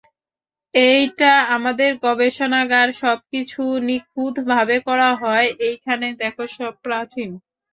এইটা আমাদের গবেষণাগার, সবকিছু নিখুঁত ভাবে করা হয়, এইখানে দেখো সব প্রাচীন।